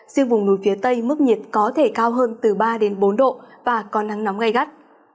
riêng vùng núi phía tây mức nhiệt có thể cao hơn từ ba đến bốn độ và có nắng nóng gai gắt